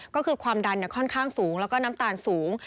ก็คือความดันค่อนข้างสูงแล้วก็น้ำตาลสูง